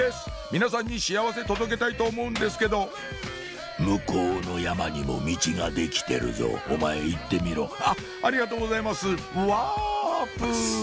皆さんに幸せ届けたいと思うんですけど「向こうの山にもミチが出来てるぞお前行ってみろ」あっありがとうございますワープ！